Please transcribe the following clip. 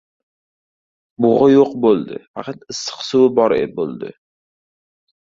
Bug‘i yo‘q bo‘ldi, faqat issiq suvi bor bo‘ldi.